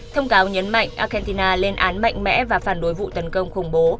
thông cáo nhấn mạnh argentina lên án mạnh mẽ và phản đối vụ tấn công khủng bố